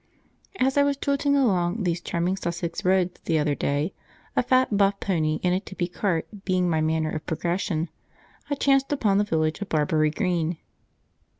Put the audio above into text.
As I was jolting along these charming Sussex roads the other day, a fat buff pony and a tippy cart being my manner of progression, I chanced upon the village of Barbury Green.